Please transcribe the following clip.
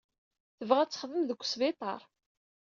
Tebɣa ad texdem deg wesbiṭar.